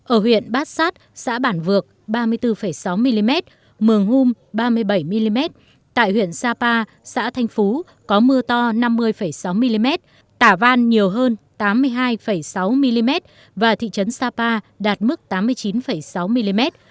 ở huyện bát sát xã bản vược ba mươi bốn sáu mm mường hung ba mươi bảy mm tại huyện sapa xã thanh phú có mưa to năm mươi sáu mm tả văn nhiều hơn tám mươi hai sáu mm và thị trấn sapa đạt mức tám mươi chín sáu mm